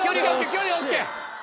距離ＯＫ。